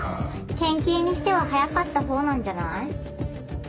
県警にしては早かった方なんじゃない？